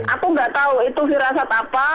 aku nggak tahu itu firasat apa